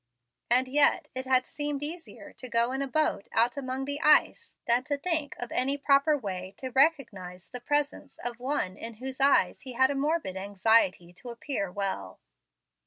And yet it had seemed easier to go in a boat out among the ice than to think of any proper way to recognize the presence of one in whose eyes he had a morbid anxiety to appear well.